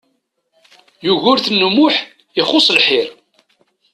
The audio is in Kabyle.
Yugurten U Muḥ ixuṣ lḥir.